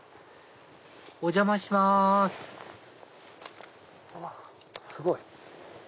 お邪魔しますあっすごい。